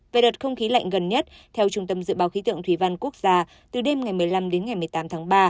về đợt không khí lạnh gần nhất theo trung tâm dự báo khí tượng thủy văn quốc gia từ đêm ngày một mươi năm đến ngày một mươi tám tháng ba